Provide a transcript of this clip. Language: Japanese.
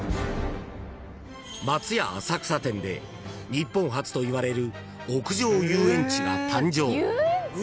［松屋浅草店で日本初といわれる屋上遊園地が誕生］